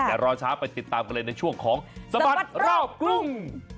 แต่รอช้าไปติดตามกันเลยในช่วงของสบัดรอบกรุง